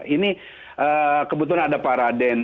ini kebetulan ada pak raden